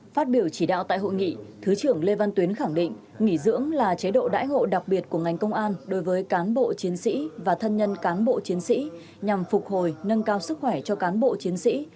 phát biểu chỉ đạo tại hội nghị thứ trưởng lê văn tuyến khẳng định nghỉ dưỡng là chế độ đãi ngộ đặc biệt của ngành công an đối với cán bộ chiến sĩ và thân nhân cán bộ chiến sĩ nhằm phục hồi nâng cao sức khỏe cho cán bộ chiến sĩ